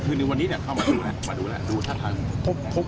คือวันนี้เข้ามาดูแล้วดูท่าทาง